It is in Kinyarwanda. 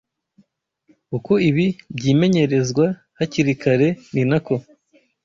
Uko ibi byimenyerezwa hakiri kare ni nako